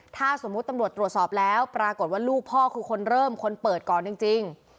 ถ้าสมมุติตำรวจตรวจสอบแล้วปรากฏว่าลูกพ่อคือคนเริ่มคนเปิดก่อนจริง